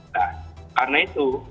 nah karena itu